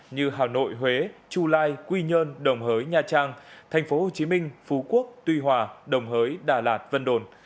như hà nội huế chu lai quy nhơn đồng hới nha trang tp hcm phú quốc tuy hòa đồng hới đà lạt vân đồn